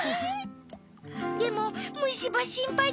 でもむしばしんぱいだね？